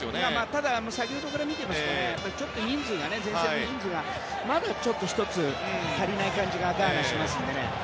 ただ、先ほどから見ていますと、前線の人数がまだちょっと１つ足りない感じがガーナはしますのでね。